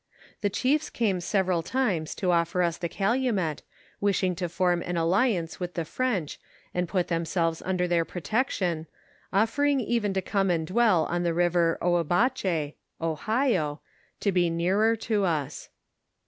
The 'ihiefs came several times to offer us the calumet, wishing to form an alliance with the French and put themselves under their protection, offering even to come and dwell on the river Oiiabache (Ohio) to be nearer to us.